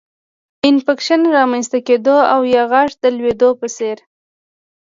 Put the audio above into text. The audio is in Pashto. انفکشن رامنځته کېدو او یا غاښ د لوېدو په څېر